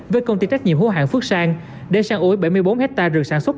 với công ty trách nhiệm hữu hạng phước sang để săn ối bảy mươi bốn hectare rừng sản xuất